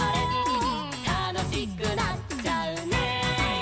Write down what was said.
「たのしくなっちゃうね」